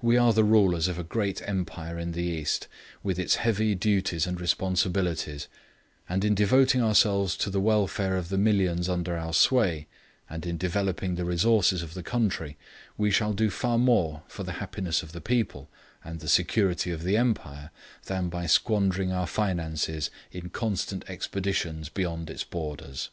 We are the rulers of a great Empire in the East, with its heavy duties and responsibilities, and in devoting ourselves to the welfare of the millions under our sway, and in developing the resources of the country, we shall do far more for the happiness of the people and the security of the Empire than by squandering our finances in constant expeditions beyond its borders.